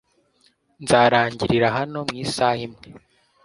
Nzarangirira hano mu isaha imwe .